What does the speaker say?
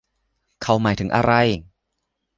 เขาหมายถึงอะไร